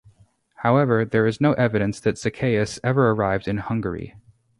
However, there is no evidence that Zacheus ever arrived in Hungary.